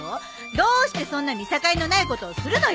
どうしてそんな見境のないことをするのよ